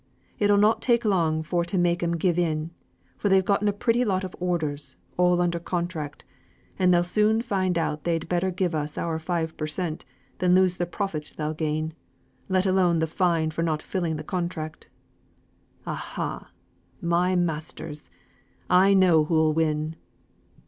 It'll not take long for to make 'em give in, for they've getten a pretty lot of orders, all under contract; and they'll soon find out they'd better give us our five per cent. than lose the profit they'll gain; let alone the fine for not fulfilling the contract. Aha my masters! I know who'll win."